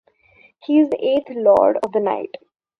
He is the eighth Lord of the Night.